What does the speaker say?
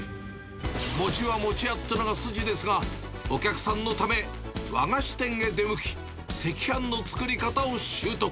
餅は餅屋っていうのが筋ですが、お客さんのため和菓子店へ出向き、赤飯の作り方を習得。